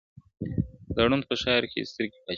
د ړندو په ښار کي يو سترگی باچا دئ.